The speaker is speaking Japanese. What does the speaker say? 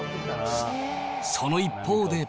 その一方で。